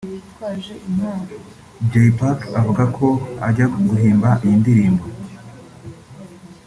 Jay Pac avuga ko ajya guhimba iyi ndirimbo